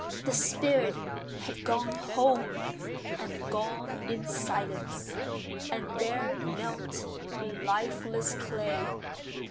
The spirit had gone home; and gone in silence; And there knelt lifeless clay!